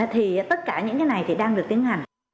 thì tất cả những cái này thì đang được tiến hành